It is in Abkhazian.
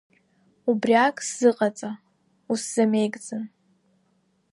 Убриак сзыҟаҵа, усзамеигӡан…